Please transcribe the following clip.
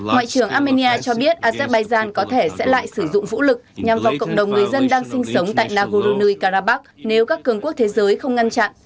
ngoại trưởng armenia cho biết azerbaijan có thể sẽ lại sử dụng vũ lực nhằm vào cộng đồng người dân đang sinh sống tại nagorno karabakh nếu các cường quốc thế giới không ngăn chặn